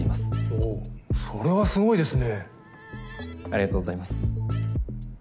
・おぉそれはすごいですね。ありがとうございます。